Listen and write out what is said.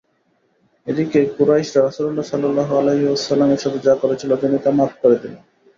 এদিকে কুরাইশরা রাসূলুল্লাহ সাল্লাল্লাহু আলাইহি ওয়াসাল্লামের সাথে যা করেছিল তিনি তা মাফ করে দিলেন।